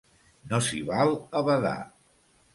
No s'hi val a badar!